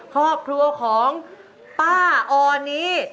ครอบครัวของป้าออนี้